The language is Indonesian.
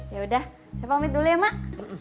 ya udah saya pamit dulu ya mak